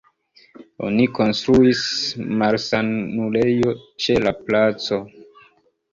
Oni konstruis malsanulejon ĉe la placo.